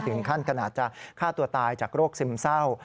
ขนาดจะฆ่าตัวตายจากโรคซึมเศร้า